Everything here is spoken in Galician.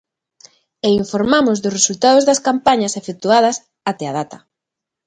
E infórmanos dos resultados das campañas efectuadas até da data.